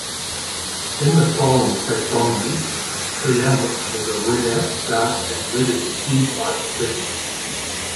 In the Tholen taxonomy, "Priamus" has a rare, dark and reddish D-type spectrum.